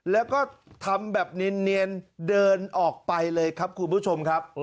แล้วก็ทำแบบเนียนเดินออกไปเลยครับคุณผู้ชมครับ